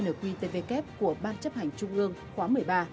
nghị quyết số một mươi tám nqtvk của ban chấp hành trung ương khóa một mươi ba